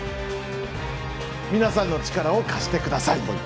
皆さんの力を貸して下さい。